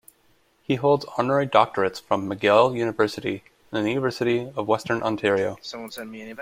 He holds honorary doctorates from McGill University and the University of Western Ontario.